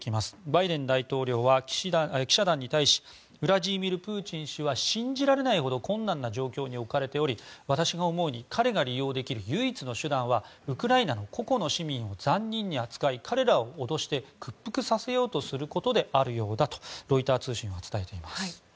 バイデン大統領は記者団に対しウラジーミル・プーチン氏は信じられないほど困難な状況に置かれており私が思うに彼が利用できる唯一の手段はウクライナの個々の市民を残忍に扱い彼らを脅して屈服させようとすることであるようだとロイター通信は伝えています。